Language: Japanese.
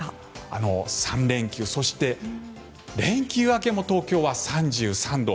３連休、そして連休明けも東京は３３度。